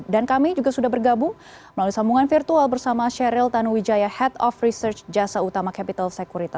dan kami juga sudah bergabung melalui sambungan virtual bersama sheryl tanuwijaya head of research jasa utama capital security